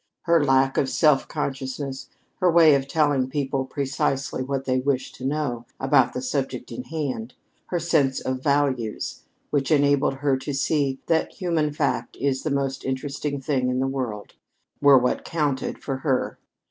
Her lack of self consciousness, her way of telling people precisely what they wished to know about the subject in hand, her sense of values, which enabled her to see that a human fact is the most interesting thing in the world, were what counted for her.